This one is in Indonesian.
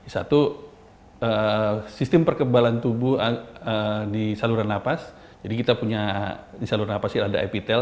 satu sistem perkebalan tubuh di saluran nafas jadi kita punya di saluran nafas ada epitel